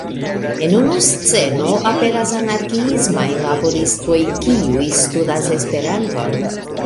En unu sceno aperas anarkiismaj laboristoj, kiuj studas Esperanton.